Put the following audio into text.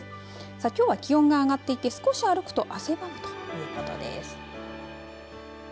きょうは気温が上がっていて少し歩くと汗ばむということです。